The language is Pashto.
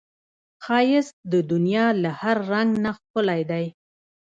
ښایست د دنیا له هر رنګ نه ښکلی دی